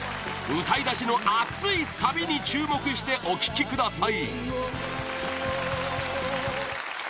歌い出しの熱いサビに注目してお聴きください！